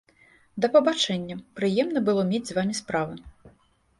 Да пабачэння, прыемна было мець з вамі справы.